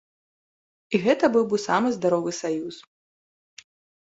І гэта быў бы самы здаровы саюз.